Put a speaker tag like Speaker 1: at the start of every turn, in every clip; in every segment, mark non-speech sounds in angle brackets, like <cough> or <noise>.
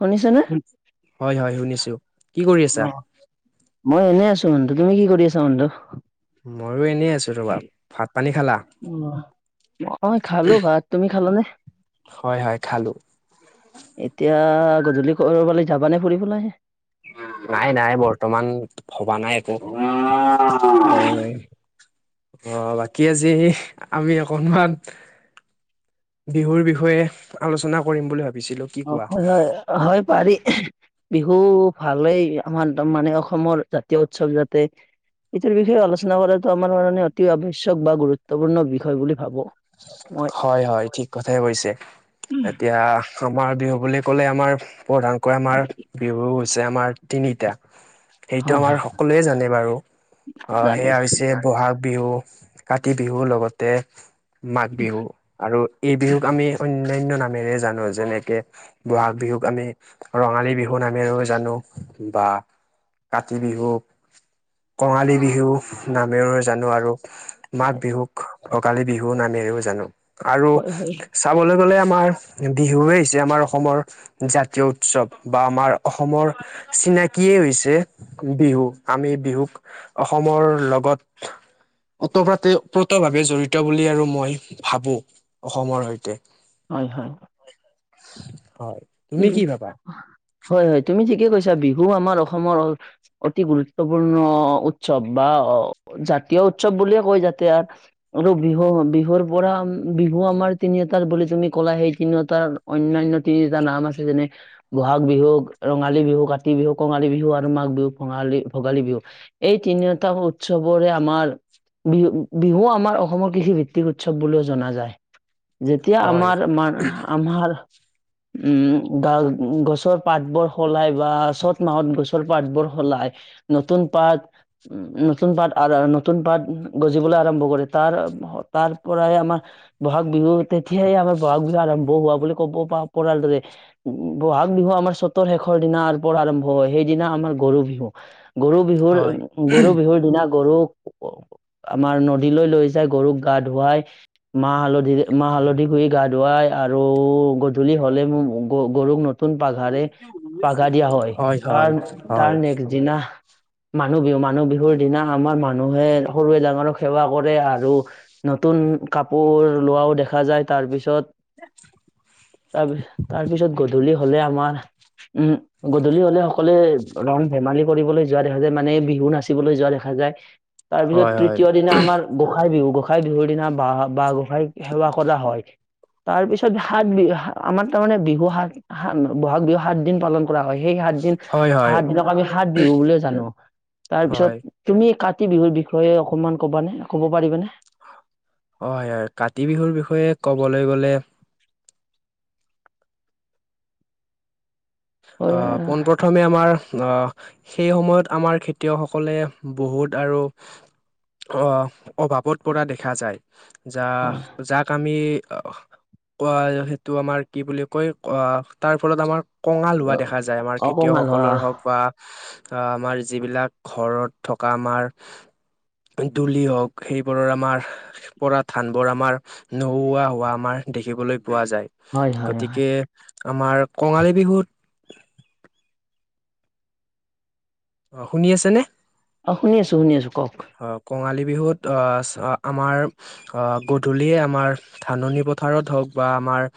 Speaker 1: শুনিছানে?
Speaker 2: হয় হয় শুনিছো কি কৰি আছা?
Speaker 1: মই এনেই আছো মানু তুমি কি কৰি আছা মানু?
Speaker 2: মইো এনেই আছো ৰবা ভাত পানী খালা?
Speaker 1: উ অহ খালো ভাত, তুমি খাল নে?
Speaker 2: হয় হয় খালো
Speaker 1: এতিয়া গধূলি কৰবালি যাবানে ফুৰিবলৈ।
Speaker 2: নাই নাই বৰ্তমান ভবা নাই একো।
Speaker 1: অ'।
Speaker 2: অ', বাকী আজি আমি অকনমান বিহুৰ বিষয়ে আলোচনা কৰিম বুলি ভাবিছিলোঁ।
Speaker 1: অ', হয়, হয়, হয় পাৰি। বিহু ভালেই আমাৰ মানে অসমৰ জাতীয় উৎসৱ যাতে ইটোৰ বিষয়ে আলোচনা কৰাটো আমাৰ মানে অতি আৱশ্যক বা গুৰুত্বপূৰ্ণ বিষয় বুলি ভাবো মই।
Speaker 2: হয়, হয় ঠিক কথাই কৈছে এতিয়া আমাৰ বিহু বুলি ক'লে আমাৰ প্ৰধানকৈ আমাৰ বিহু হৈছে আমাৰ তিনিটা। সেইটো
Speaker 1: হয়,
Speaker 2: আমাৰ
Speaker 1: হয়,
Speaker 2: সকলোৱে জানে বাৰু অ', সেয়া
Speaker 1: জানিছা
Speaker 2: হৈছে বহাগ। বিহু কাতি বিহু লগতে মাঘ বিহু আৰু এই বিহুক আমি অন্যয়ান্য নামেৰে জানো যেনেকে বহাগ বিহুক আমি ৰঙালী বিহু নামেৰেও জানো বা কাতি বিহু কঙালী বিহু নামেৰেও জানো আৰু মাঘ
Speaker 1: হয়,
Speaker 2: বিহুক ভোগালী বিহু নামেৰেও জানো আৰু
Speaker 1: হয়,
Speaker 2: চাবলৈ গ'লে আমাৰ বিহুৱে আহি হৈছে আমাৰ অসমৰ জাতীয় উৎসৱ বা আমাৰ অসমৰ চিনাকিয়েই হৈছে বিহু আমি বিহুক অসমৰ লগত ওতঃপ্ৰোতভাৱে জড়িত বুলি আৰু মই ভাবো অসমৰ সৈতে।
Speaker 1: হয়, হয়।
Speaker 2: হয়।
Speaker 1: উ
Speaker 2: তুমি কি ভাবা
Speaker 1: হয়, হয় তুমি ঠিকে কৈছা বিহু আমাৰ অসমৰ অতি গুৰুত্বপূৰ্ণ উৎসৱ বা জাতীয় উৎসৱ বুলিয়ে কয় যাতে আৰু বিহু, বিহুৰ পৰা বিহু আমাৰ তিনিওটাৰ বুলি তুমি ক'লা সেই তিনিওটাৰ অ‌ন্যান্য তিনিটা নাম আছে যেনে ব'হাগ বিহু ৰঙালী বিহু, কাতি বিহু কঙালী বিহু, আৰু মাঘ বিহু ভঙালী ভোগালী বিহু। এই তিনিওটা উৎসৱৰে আমাৰ বিহু, বিহু আমাৰ অসমৰ কৃষি ভিত্তিক উৎসৱ বুলিও জনা যায়। যেতিয়া
Speaker 2: হয়
Speaker 1: আমাৰ মান, আমাৰ--‌ উম', গা- গছৰ পাতবোৰ সলাই বা চ'ত মাহত গছৰ পাতবোৰ সলায় নতুন পাত উ নতুন পাত নতুন পাত গজিবলৈ আৰম্ভ কৰে তাৰ তাৰ পৰাই আমাৰ ব'হাগ বিহু তেতিয়াই আৰু ব'হাগ বিহু আৰম্ভ হোৱা বুলি ক'ব প পৰাৰ দৰে উম, ব'হাগ বিহু আমাৰ চ'তৰ শেষৰ দিনাৰ পৰা আৰম্ভ হয় সেইদিনা আমাৰ গৰু বিহু গৰু বিহুৰ
Speaker 2: হয়
Speaker 1: গৰু বিহুৰ দিনা গৰুক আমাৰ নদীলৈ লৈ যায় গৰুক গা ধুৱাই মাহ হালধিৰে মাহ হালধি ঘুহি গা ধুৱাই আৰু গধূলি হ'লে মোৰ গ গৰুক নু নতুন পাঘাৰে, পাঘা দিয়া হয়। তাৰ তাৰ
Speaker 2: হয়
Speaker 1: নেক্স দিনা মানুহ বিহু, মানুহ বিহুৰ দিনা আমাৰ মানুহে, সৰুৱে ডাঙৰক সেৱা কৰে আৰু নতুন কাপোৰ লোৱাও দেখা যায় তাৰ পিছত
Speaker 2: উ <inaudible>
Speaker 1: তাৰপিছ তাৰপিছত গধূলি হ'লে আমাৰ, উম গধূলি হ'লে সকলোৱে ৰং ধেমালি কৰিবলৈ যোৱা দেখা যায়, মানে বিহু নাচিবলৈ যোৱা দেখা যায় তাৰপিছত
Speaker 2: হয় হয় হয়
Speaker 1: তৃতীয় দিনা আমাৰ গোঁসাই বিহু গোঁসাই বিহুৰ দিনা বা বা গোঁসাইক সেৱা কৰা হয়। তাৰ পিছত সাত বিহু আমাৰ তাৰমানে বিহু সাত, সাত ব'হাগ বিহু সাত দিন পালন কৰা হয় সেই সাত দিন
Speaker 2: হয়
Speaker 1: সাত দিনক আমি সাত বিহু বুলিয়ে জানো তাৰ
Speaker 2: হয় হয়
Speaker 1: পিছত তুমি কাতি বিহুৰ বিষয়ে অকমান কবানে, ক'ব পাৰিবানে?
Speaker 2: হয়', হয়', কাতি বিহুৰ বিষয়ে ক'বলৈ গ'লে,
Speaker 1: হয়
Speaker 2: আহ'পোনপ্ৰথমে আমাৰ অ সেই সময়ত আমাৰ খেতিয়কসকলে বহুত আৰু অহ' অভাৱত পৰা দেখা যায়। য,
Speaker 1: হয়
Speaker 2: যাক আমি কোৱা হয়। সেইটো আমাৰ কি বুলি কয় ক তাৰ ফলত আমাৰ কঙাল হোৱা দেখা যায় আমাৰ
Speaker 1: অকমান হয়
Speaker 2: খেতিয়কসকলৰ হওঁক বা। আহ আমাৰ যিবিলাক, ঘৰত থকা আমাৰ। দোলি অ'ক, হওঁক সেইবোৰৰ আমাৰ। পৰা ধান বোৰ আমাৰ নোহোৱা হোৱা আমাৰ দেখিবলৈ পোৱা যায়।
Speaker 1: হয় হয় হয়
Speaker 2: গতিকে আমাৰ কঙালী বিহুত। অ'শুনি আছে নে?
Speaker 1: অ', শুনি আছোঁ শুনি আছোঁ কওঁক।
Speaker 2: অ, কঙালী বিহুত অ'আমাৰ। আহ গধূলিয়ে আমাৰ ধাননি পথাৰত হওঁক বা আমাৰ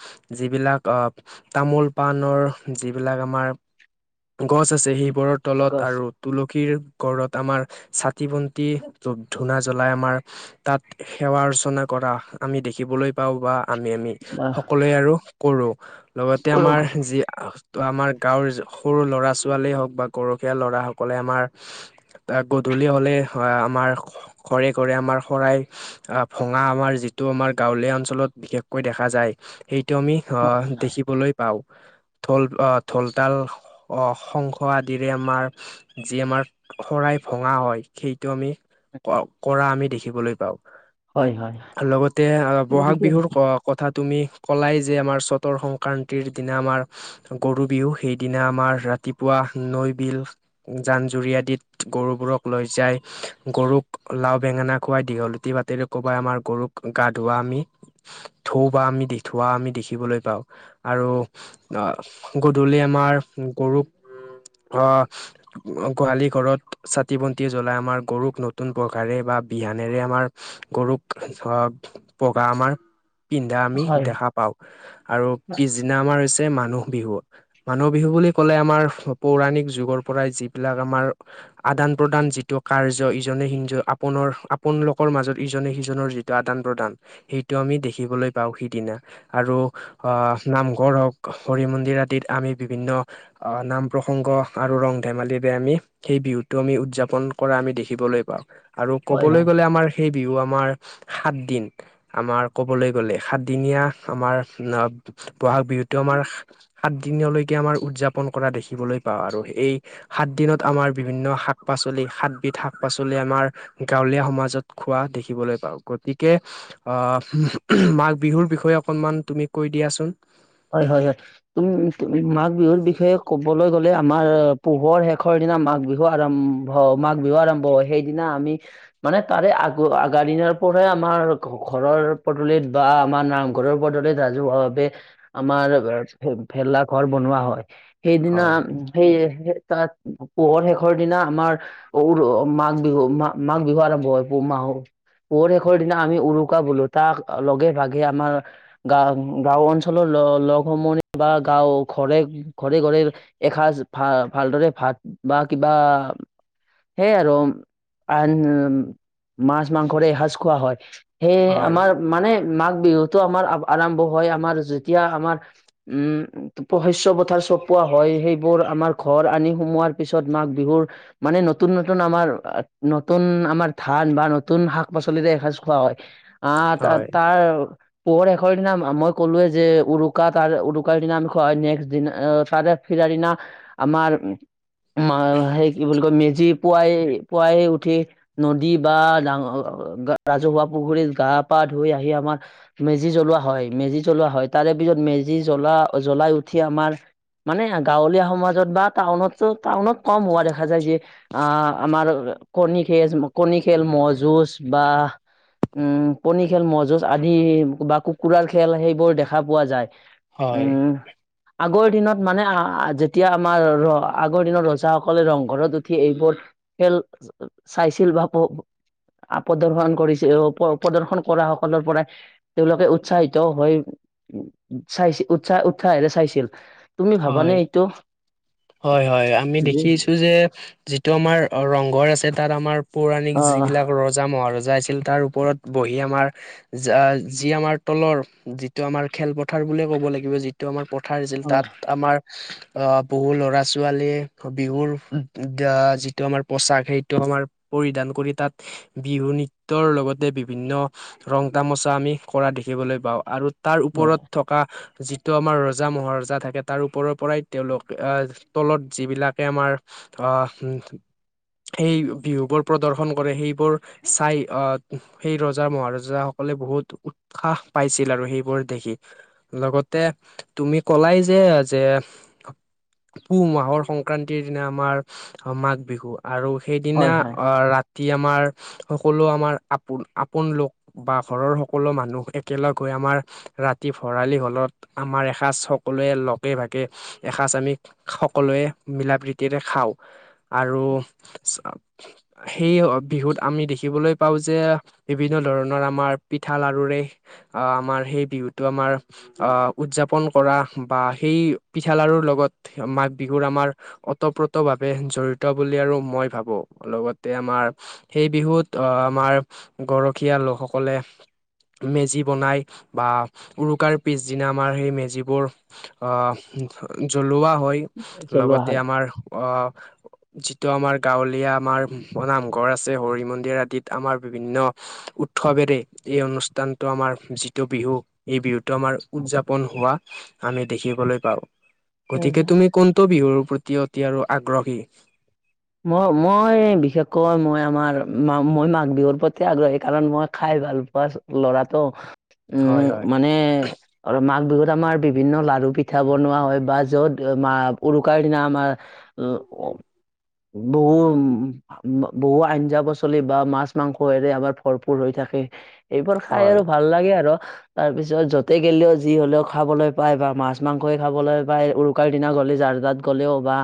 Speaker 2: যিবিলাক অহ' তামোল -পাণৰ যিবিলাক আমাৰ গছ আছে। সেইবোৰৰ তলত
Speaker 1: গছ
Speaker 2: আৰু তুলসীৰ তলত আমাৰ চাকি- বন্তি ধুপ- ধূনা জ্বলাই আমাৰ। তাত সেৱা -অৰ্চনা কৰা আমি দেখিবলৈ পাওঁ বা। আমি আমি সকলোৱে আৰু কৰোঁ লগতে আমাৰ যি ত, আমাৰ গাঁৱৰ সৰু ল'ৰা -ছোৱালীয়ে হওঁক বা গৰখীয়া ল'ৰা সকলে আমাৰ তাত গধূলি হ'লে আমাৰ ঘৰে -ঘৰে আমাৰ শৰাই। আহ ভঙা আমাৰ যিটো আমাৰ গাঁৱলীয়া অঞ্চলত বিশেষকৈ দেখা যায়। সেইটো আমি্ অ, দেখিবলৈ পাওঁ। ঢোল আহ ঢোলতাল আহ শংখ আদিৰে আমাৰ যি আমাৰ শৰাই ভঙা হয়। সেইটো আমি ক, কৰা আমি দেখিবলৈ পাওঁ।
Speaker 1: হয় হয় হয়
Speaker 2: আৰু লগতে বহাগ বিহুৰ ক কথা তুমি ক'লাই যে আমাৰ চতৰ সংক্ৰান্তিৰ দিনা আমাৰ। গৰু বিহু সেইদিনা আমাৰ ৰাতিপুৱা নৈ বিল। জান জুৰি আদিত গৰুবোৰক লৈ। যাই গৰুক লাও বেঙেনা খুৱাই দীঘলতি বাটৰে কবাই আমাৰ গৰুক গা ধোৱা আমি। ধৌ বা আমি ধোৱা আমি দেখিবলৈ পাওঁ আৰু। গধূলি আমাৰ গৰুক। অ, গোহালি ঘৰত চাকি বন্তিৰ। মেজি জ্বলাই আমাৰ গৰুক নতুন পঘাৰে বা বিহানেৰে আমাৰ গৰুক। পঘা আমাৰ পিন্ধা আমি
Speaker 1: হয়
Speaker 2: দেখা। পাওঁ আৰু পিছদিনা আমাৰ হৈছে মানুহ বিহু। মানুহ বিহু বুলি ক'লে আমাৰ পৌৰাণিক যুগৰ পৰাই যিবিলাক আমাৰ আদান। প্ৰদান যিটো কাৰ্য ইজনে সিজ আপোনৰ আপোনলোকৰ মাজত ইজনে সিজনৰ যিটো আদান প্ৰদান। সেইটো আমি দেখিবলৈ পাওঁ সিদিনা। আৰু আহ নামঘৰ হওক হৰি মন্দিৰ আদিত আমি বিভিন্ন। আহ নাম প্ৰসংগ আৰু ৰং ধেমালিৰে আমি সেই বিহুতো আমি উ উদযাপন কৰা আমি দেখিবলৈ পাওঁ আৰু
Speaker 1: হয়
Speaker 2: ক'বলৈ গলে আমাৰ সেই বিহু আমাৰ সাত দিন। আমাৰ কবলৈ গ'লে সাতদিনীয়া আমাৰ। বহাগ বিহুতটো আমাৰ। সাত দিনলৈকে আমাৰ উদযাপন কৰা দেখিবলৈ পাওঁ আৰু এই সাত দিনত আমাৰ বিভিন্ন সাত। শাক-পাচলি সাতবিধ শাক পাচলি আমাৰ। গাঁৱলীয়া সমাজত খোৱা দেখিবলৈ পাওঁ গতিকে। আহ, মাঘ বিহুৰ বিষয়ে অকনমান তুমি কৈ দিয়াচোন।
Speaker 1: হয় হয় হয়। তুম মাঘ বিহুৰ বিষয়ে ক'বলৈ গলে আমাৰ পোহৰ শেষৰ দিনা মাঘ বিহু আৰাম। অ' মাঘ বিহু আৰম্ভ হয় সেইদিনা আমি মানে তাৰে আগ আগাৰ দিনাৰ প'ৰা আমাৰ ঘৰৰ পদূলিত বা আমাৰ নাম ঘৰৰ পদূলিত ৰাজহুৱাভ ভাবে আমাৰ ভেলা ঘৰ বনোৱা হয় সেইদিনা
Speaker 2: হয়
Speaker 1: সেইয়ে তাত পোহৰ শেষৰ দিনা আমাৰ উ মাঘ বিহু মা মাঘ বিহু আৰম্ভ হয় পুহ মাহত। পুহৰ শেষৰ দিনা আমি উৰুকা বোলো তাক লগে ভাগে আমাৰ গা গাওঁ অঞ্চল লগ সমনি বা গাঁও ঘৰে ঘৰে ঘৰে এসাঁজ ভাল ভালদৰে ভাত বা কিবা সেয়ে আৰু আন মাছ মাংসৰে এসাজ খোৱা হয়। সেয়েহে
Speaker 2: হয়
Speaker 1: আমাৰ মানে মাঘ বিহুতো আমাৰ আৰম্ভ হয় আমাৰ যেতিয়া আমাৰ উম শস্য পথাৰ চপোৱা হয় সেইবোৰ আমাৰ ঘৰ আনি সোমোৱাৰ পিছত মাঘ বিহুৰ মানে নতুন নতুন আমাৰ নতুন আমাৰ ধান বা নতুন শাক পাচলিৰে এসাঁজ খোৱা হয়। আহ ত তাৰ পুহৰ শেষৰ দিনা মই ক'লোৱয়ে যে উৰুকা তাৰে উৰুকাৰ দিনা আমি খোৱা নেক্সট দিনা তাৰে ফিৰাৰ দিনা আমাৰ ম সেই কি বুলি কয় মেজি পোৱাই পোৱাই উঠি নদী বা ডাঙৰ ৰাজহুৱা পুখুৰীত গা পা ধুই আহি আমাৰ মেজি জ্বলোৱা হয় মেজি জ্বলোৱা হয় তাৰে পিছত মেজি জ্বলা জ্বলাই উঠি আমাৰ মানে গাঁৱলীয়া সমাজত বা টাউনতো টাউনত কম হোৱা দেখা যায় যে আহ আমাৰ কণী খেল কণী খেল ম'হ যুঁজ বা উম কণী খেল ম'হজুঁজ আদি বা কুকুৰাৰ খেল সেইবোৰ দেখা পোৱা যায়।
Speaker 2: হয়।
Speaker 1: উম আগৰ দিনত মানে যেতিয়া আমাৰ ৰ আগৰ দিনত ৰজাসকলে ৰংঘৰত উঠি এইবোৰ খেল চাইছিল বা কৌ প্ৰদৰ্শন কৰিছে প্ৰদৰ্শন কৰা সকলৰ পৰাই তেওঁলোকে উৎসাহিত হৈ উ চাইছিল উৎসাহ উৎসাহেৰে চাইছিল। তুমি ভাবানে
Speaker 2: হয়
Speaker 1: এইটো
Speaker 2: হয় হয় আমি দেখিছো যে টো আমাৰ ৰংঘৰ আছে তাত আমাৰ পৌৰাণিক
Speaker 1: অ
Speaker 2: যিবিলাক ৰজা মহাৰজা আছে আছিল তাৰ ওপৰত বহি আমাৰ যি আমাৰ তলৰ যিটো আমাৰ খেলপথাৰ বুলিয়ে ক'ব লাগিব যিটো আমাৰ পথাৰ আছিল
Speaker 1: হয়
Speaker 2: তাত আমাৰ অ' বহু লৰা ছোৱালী বিহুৰ যিটো আমাৰ পোচাক সেইটো আমাৰ পৰিধান কৰি তাত বিহু নৃট্যৰ লগতে বিভিন্ন ৰং তামচা আমি কৰা দেখিবলৈ পাওঁ আৰু তাৰ
Speaker 1: হয়
Speaker 2: ওপৰত থকা যিটো আমাৰ ৰজা মহাৰজা থাকে তাৰ ওপৰৰ পৰাই তেওঁলোক আহ তলত যিবিলাকে আমাৰ আহ সেই বিহুবোৰ প্ৰদৰ্শন কৰে সেইবোৰ চাই আহ সেই ৰজা মহাৰজাাসকলে বহুত উ উৎসাহ পাইছিল আৰু সেইবোৰ দেখি লগতে তুমি কলাই যে যে পুহ মাহৰ সংক্ৰান্তিৰ দিনা আমাৰ মাঘ বিহু আৰু
Speaker 1: হয়
Speaker 2: সেইদিনা
Speaker 1: হয়
Speaker 2: আহ ৰাতি আমাৰ সকলো আমাৰ আপোন আপোন লোক বা ঘৰৰ সকলো মানুহ একেলগ হৈ আমাৰ ৰাতি ভৰালি হলত আমাৰ এসাঁজ সকলোৱে লগে ভাগে এসাঁজ আমি সকলোৱে মিলা প্ৰীতিৰে খাওঁ আৰু সেই বিহুত আমি দেখিবলৈ পাওঁ যে বিভিন্ন ধৰণৰ আমাৰ পিঠা লাড়ুৰে আমাৰ সেই বিহুটো আমাৰ উদযাপন কৰা বা সেই পিঠা লাড়ুৰ লগত মাঘ বিহুৰ আমাৰ অ' তঃপ্ৰত ভাৱে জড়িত বুলি আৰু মই ভাবো লগতে আমাৰ সেই বিহুত আহ আমাৰ গৰখীয়া লোকসকলে মেজি বনাই বা উৰুকাৰ পিছদিনা আমাৰ সেই মেজিবোৰ আহ জ্বলোৱা হয়,
Speaker 1: চলোৱা হয়
Speaker 2: লগতে আমাৰ আহ যিটো আমাৰ গাঁৱলীয়া আমাৰ নামঘৰ আছে হৰি মন্দিৰ আদিত আমাৰ বিভিন্ন উৎসৱেৰে এই অনুষ্ঠানটো আমাৰ যিটো বিহু এই বিহুটো আমাৰ উদযাপন হোৱা আমি দেখিবলৈ পাওঁ। গতিকে তুমি কোনটো বিহুৰ প্ৰতি অতি আৰু আগ্ৰহী?
Speaker 1: মই মই বিশেষকৈ মই আমাৰ মই মাঘ বিহুৰ প্ৰতি আগ্ৰহী, কাৰণ মই খাই ভাল প ল'ৰাটো
Speaker 2: হয়
Speaker 1: উম
Speaker 2: হয়
Speaker 1: মানে আৰু মাঘ বিহুত আমাৰ বিভিন্ন লাৰু পিঠা বনোৱা হয় বা য'ত উৰুকাৰ দিনা আমাৰ উ অ। বহ বহু আঞ্জা পাচলি বা মাছ মাংস এৰে আমাৰ ভৰপূৰ হৈ থাকে। এইবোৰ খাই
Speaker 2: হয়
Speaker 1: আৰু ভাল লাগে আৰু। তাৰ পিছত যতে গলেও যি হ'লেও খাবলৈ পায় বা মাছ মাংসই খাবলৈ পায়। উৰু উৰুকা দিনা গ'লে যাৰতাত গ'লেও বা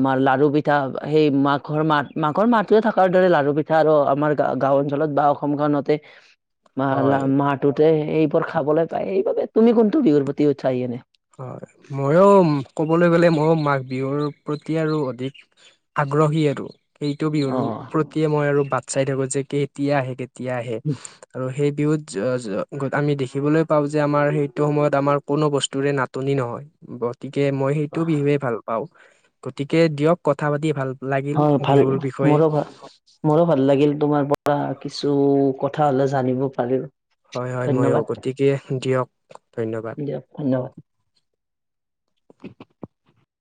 Speaker 1: আমাৰ লাৰু পি পিঠা সেই মাঘৰ মাত মাঘৰ মাতোৱে থকাৰ দৰে লাড়ু পিঠা আৰু আমাৰ গাঁও অঞ্চলত বা অসমখনত <inaudible>
Speaker 2: হয়
Speaker 1: মাহটোতে এইবোৰ খাবলৈ পায় এইবাবে, তুমি কোনটো বিহুৰ প্ৰতি উৎসাহী এনে?
Speaker 2: হয় ময়ো ক'বলৈ গ'লে, ময়ো মাঘ বিহুৰ প্ৰতি আৰু অধিক আগ্ৰহী আৰু। সেইটো বিহুৰ
Speaker 1: অ
Speaker 2: প্ৰতিয়ে মই আৰু বাট চাই থাকো যে কেতিয়া আহে কেতিয়া আহে, আৰু সেই বিহুত আমি দেখিবলৈ পাওঁ যে আমাৰ সেইটো সময়ত আমাৰ কোনো বস্তু নাটনি নহয়। গতিকে মই সেইটো বিহুৱে ভাল গতিকে দিয়ক কথা পাতি ভাল লাগিল
Speaker 1: হয় ভাল
Speaker 2: বিহুৰ বিষয়ে।
Speaker 1: মোৰো ভাল মোৰো ভাল লাগিল তোমাৰ পৰা কিছু কথা হ'লে জানিব পাৰিলো।
Speaker 2: হয় হয় ময়ো
Speaker 1: ধন্যবাদ
Speaker 2: গতিকে দিয়ক ধন্যবাদ।
Speaker 1: ধন্যবাদ।